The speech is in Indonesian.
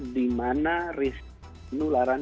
di mana risiko penularan